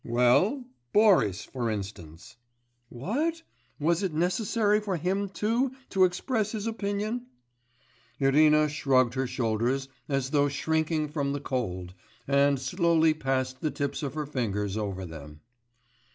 'Well, Boris for instance ' 'What? was it necessary for him too to express his opinion?' Irina shrugged her shoulders as though shrinking from the cold, and slowly passed the tips of her fingers over them.